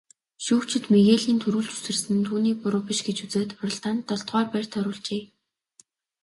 Шүүгчид Мигелийн түрүүлж үсэрсэн нь түүний буруу биш гэж үзээд уралдаанд долдугаарт байрт оруулжээ.